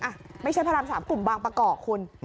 อ่ะไม่ใช่พระราม๓กลุ่มบางประกอบคุณ